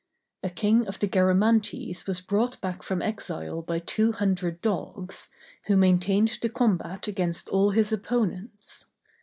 A king of the Garamantes was brought back from exile by two hundred dogs, who maintained the combat against all his opponents.